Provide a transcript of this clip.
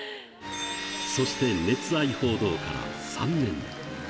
そして熱愛報道から３年。